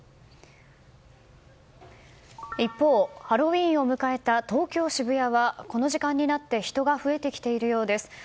一方、ハロウィーンを迎えた東京・渋谷はこの時間になって人が増えてきているようです。